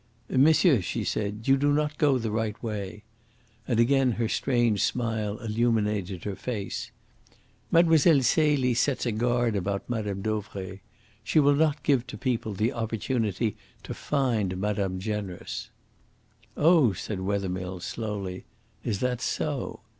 "Monsieur," she said, "you do not go the right way." And again her strange smile illuminated her face. "Mlle. Celie sets a guard about Mme. Dauvray. She will not give to people the opportunity to find madame generous." "Oh," said Wethermill slowly. "Is that so?"